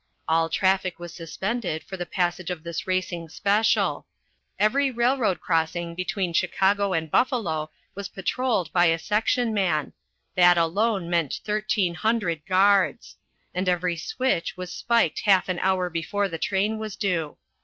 All traffic was suspended for the passage of this racing special; every railroad crossing between Chicago and Buffalo was patrolled by a section man that alone meant thirteen hundred guards; and every switch was spiked half an hour before the train was due.